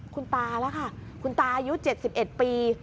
คุณตาแล้วค่ะคุณตาอายุ๗๑ปี